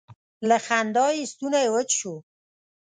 له خندا یې ستونی وچ شو.